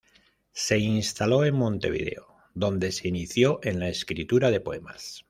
Se instaló en Montevideo, donde se inició en la escritura de poemas.